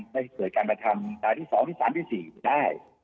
ไม่ให้เกิดการปฏิภัณฑ์ตายที่๒ที่๓ที่๔ได้